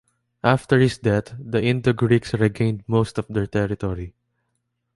After his death the Indo-Greeks regained most of their territory.